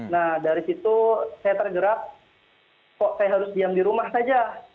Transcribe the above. nah dari situ saya tergerak kok saya harus diam di rumah saja